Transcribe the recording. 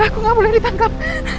aku gak boleh ditangkap